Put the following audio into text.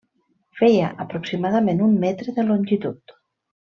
Feia aproximadament un metre de longitud.